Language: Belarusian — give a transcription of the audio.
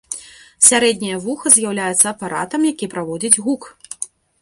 Сярэдняе вуха з'яўляецца апаратам, які праводзіць гук.